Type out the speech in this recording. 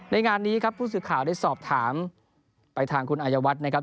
งานนี้ครับผู้สื่อข่าวได้สอบถามไปทางคุณอายวัฒน์นะครับ